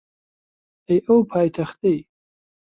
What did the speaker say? ئەی ئەو پایتەختەی